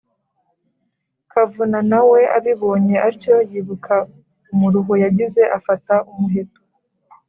kavuna nawe abibonye atyo, yibuka umuruho yagize, afata umuheto